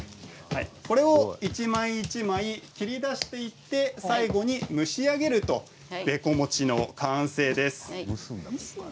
これを一枚一枚切り出していって最後に蒸し上げるとべこもちの完成です。